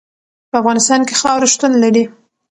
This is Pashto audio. په افغانستان کې خاوره شتون لري.